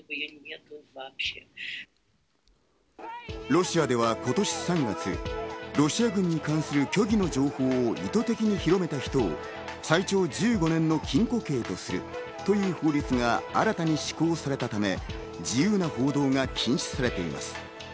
ロシアでは今年３月、ロシア軍に関する虚偽の情報を意図的に広めた人を最長１５年の禁錮刑とするという法律が新たに施行されたため自由な報道が禁止されています。